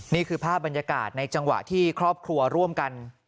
นี่คือภาพบรรยากาศในจังหวะที่ครอบครัวร่วมกัน